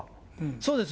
そうです。